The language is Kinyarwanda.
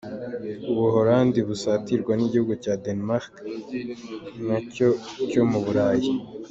U Buholandi busatirwa n’igihugu cya Denmark, na cyo cyo mu Burayi.